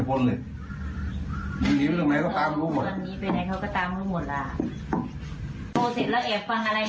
ก็ยังไม่ได้ไปไหนยังอยู่ตรงนี้ใช่ไหม